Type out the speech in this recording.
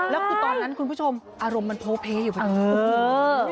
แล้วคือตอนนั้นคุณผู้ชมอารมณ์มันโผล่เพลย์อยู่ข้างใน